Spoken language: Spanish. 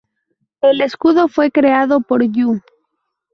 El escudo fue creado por Yu.